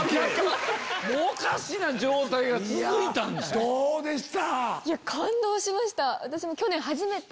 どうでした？